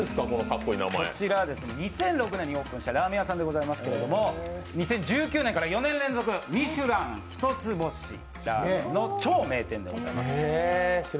こちら、２００６年にオープンしたラーメン屋さんですが２０１９年から４年連続、ミシュラン一つ星の超名店でございます。